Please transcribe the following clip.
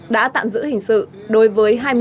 đã tạm giữ hình sự đối với hai mươi